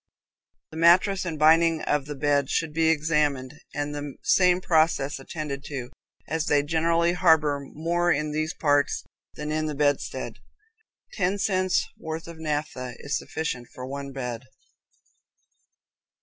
The mattress and binding of the bed should be examined, and the same process attended to, as they generally harbor more in these parts than in the bedstead. Ten cents' worth of naphtha is sufficient for one bed.